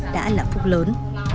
đã là phúc lớn